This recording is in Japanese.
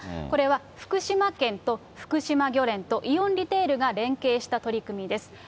これは、福島県と福島漁連とイオンリテールが連携した取り組みです。